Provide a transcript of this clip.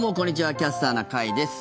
「キャスターな会」です。